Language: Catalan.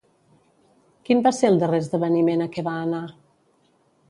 Quin va ser el darrer esdeveniment a què va anar?